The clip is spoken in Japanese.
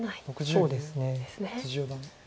そうですね。